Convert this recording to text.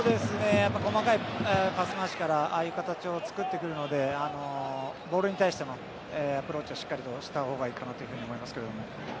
やっぱ細かいパス回しからああいう形をつくってくるのでボールに対してもアプローチをしっかりとした方がいいかなというふうに思いますけれども。